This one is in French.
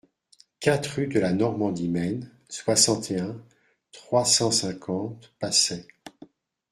quatre rue de la Normandie Maine, soixante et un, trois cent cinquante, Passais